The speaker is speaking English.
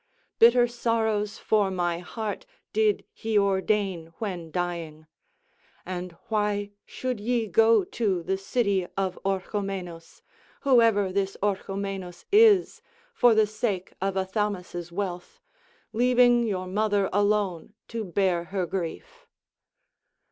Bitter sorrows for my heart did he ordain when dying. And why should ye go to the city of Orchomenus, whoever this Orchomenus is, for the sake of Athamas' wealth, leaving your mother alone to bear her grief?"